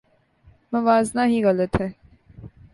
موازنہ ہی غلط ہے۔